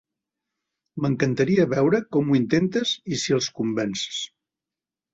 M'encantaria veure com ho intentes i si els convences!